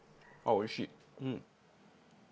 おいしい！